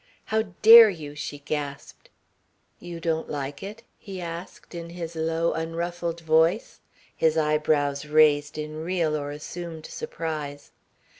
"How dare you?" she gasped. "You don't like it?" he asked in his low, unruffled voice, his eyebrows raised in real or assumed surprise.